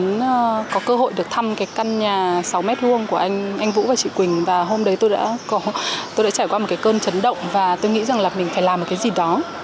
tôi có cơ hội được thăm cái căn nhà sáu m hai của anh vũ và chị quỳnh và hôm đấy tôi đã tôi đã trải qua một cái cơn chấn động và tôi nghĩ rằng là mình phải làm một cái gì đó